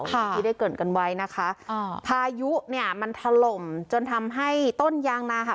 อย่างที่ได้เกิดกันไว้นะคะอ่าพายุเนี่ยมันถล่มจนทำให้ต้นยางนาค่ะ